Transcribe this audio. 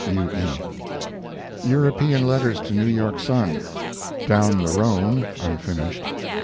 European letters to New York Sun. DOWN THE RHONE (unfinished).